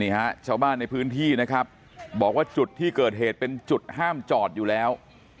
ชาวบ้านในพื้นที่นะครับบอกว่าจุดที่เกิดเหตุเป็นจุดห้ามจอดอยู่แล้ว